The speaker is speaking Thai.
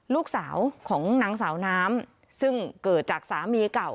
ลูกสาวของนางสาวน้ำซึ่งเกิดจากสามีเก่า